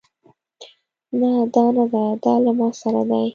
نه دا نده دا له ما سره دی